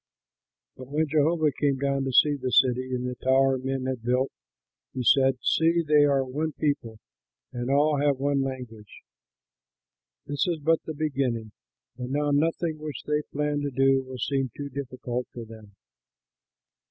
But when Jehovah came down to see the city and the tower men had built, he said, "See, they are one people and all have one language. This is but the beginning, and now nothing which they plan to do will seem too difficult for them.